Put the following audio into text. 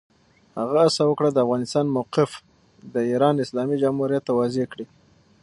هغه هڅه وکړه، د افغانستان موقف د ایران اسلامي جمهوریت ته واضح کړي.